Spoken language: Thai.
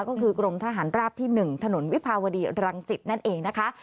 ก็คือกรมทหารราบที่๑ถนนวิภาวดีรังสิตนั่นเองนะคะ